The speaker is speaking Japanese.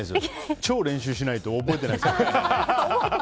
超練習しないと、覚えてないです。